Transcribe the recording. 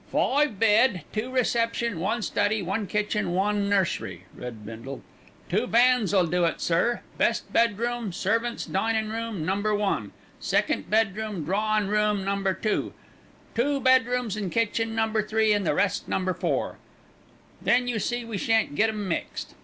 "'Five bed, two reception, one study, one kitchen, one nursery,'" read Bindle. "Two vans'll do it, sir. Best bedroom, servant's. dinin' room, No. 1; second bedroom, drawin' room, No. 2; two bedrooms and kitchen No. 3, and the rest No. 4. Then you see we shan't get 'em mixed."